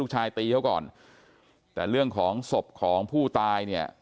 ตีเขาก่อนแต่เรื่องของศพของผู้ตายเนี่ย